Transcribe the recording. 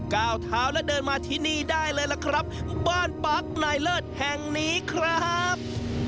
ก้าวเท้าแล้วเดินมาที่นี่ได้เลยล่ะครับบ้านปั๊กนายเลิศแห่งนี้ครับ